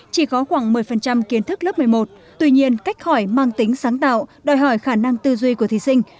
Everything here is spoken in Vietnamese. chỉ có khoảng một mươi kiến thức lớp một mươi một tuy nhiên cách khỏi mang tính sáng tạo đòi hỏi khả năng tư duy của thí sinh